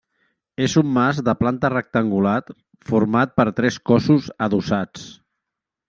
És un mas de planta rectangular format per tres cossos adossats.